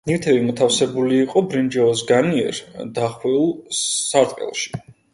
ნივთები მოთავსებული იყო ბრინჯაოს განიერ, დახვეულ სარტყელში.